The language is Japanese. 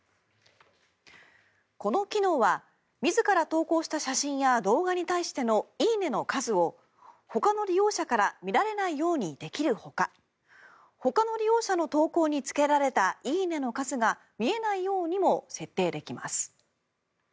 この機能は自ら投稿した写真や動画に関しての「いいね」の数をほかの利用者から見られないようにできるほかほかの利用者の投稿につけられた「いいね」の数が見えないようにも設定できます。